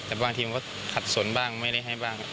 แต่บางทีมันก็ขัดสนบ้างไม่ได้ให้บ้าง